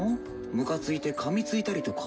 ムカついてかみついたりとか。